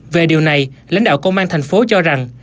về điều này lãnh đạo công an thành phố cho rằng